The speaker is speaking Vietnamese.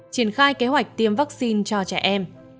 triển khai kế hoạch tiêm vaccine cho trẻ em